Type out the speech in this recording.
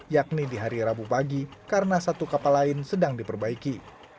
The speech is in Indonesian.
yakni di hari rabu pagi karena satu kapal lain sedang diperbaiki